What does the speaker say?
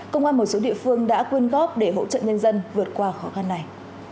công an một số địa phương đã quyên góp để hỗ trợ nhân dân vượt qua khó khăn này